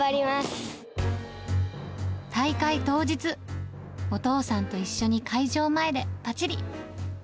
大会当日、お父さんと一緒に会場前でぱちり。